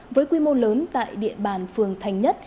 với quy mô lớn tại địa bàn phường thành nhất